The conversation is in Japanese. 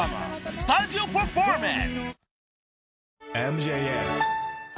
スタジオパフォーマンス］